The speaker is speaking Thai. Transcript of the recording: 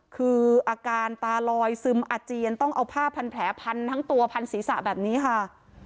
คืออาการตาลอยซึมอาเจียนต้องเอาผ้าพันแผลพันทั้งตัวพันศีรษะแบบนี้ค่ะ